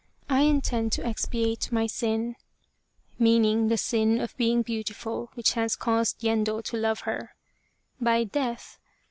I intend to expiate my sin [meaning the sin of being beautiful, which has caused Yendo to love her] by death.